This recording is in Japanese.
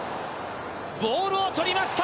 ボールを捕りました。